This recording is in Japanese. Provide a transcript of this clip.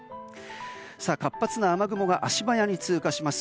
活発な雨雲が足早に通過します。